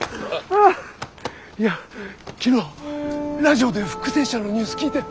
いや昨日ラジオで復生者のニュース聞いて。